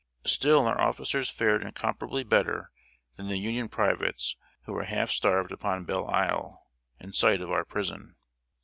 Still our officers fared incomparably better than the Union privates who were half starved upon Belle Isle, in sight of our prison.